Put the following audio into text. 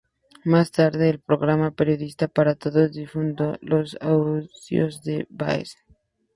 Más tarde, el programa Periodismo Para Todos difundió los audios de Baez.